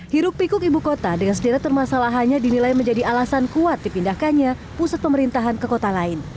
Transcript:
hiruk pikuk ibu kota dengan sederet permasalahannya dinilai menjadi alasan kuat dipindahkannya pusat pemerintahan ke kota lain